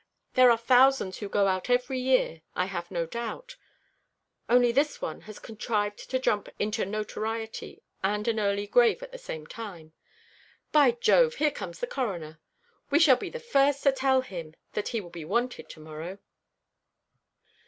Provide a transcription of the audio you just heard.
There are thousands who go out every year, I have no doubt; only this one has contrived to jump into notoriety and an early grave at the same time. By Jove! here comes the Coroner. We shall be the first to tell him that he will be wanted to morrow."